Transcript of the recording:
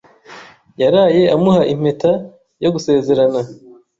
Yaraye amuha impeta yo gusezerana.